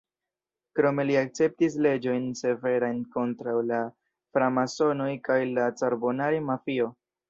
Krome li akceptis leĝojn severajn kontraŭ la framasonoj kaj la Carbonari-mafio.